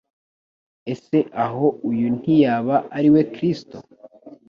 “Ese aho uyu ntiyaba ari we Kristo?”